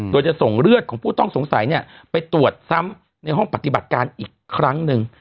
โดยจะส่งเลือดของผู้ต้องสงสัยไปตรวจซ้ำในห้องปฏิบัติการอีกครั้งหนึ่ง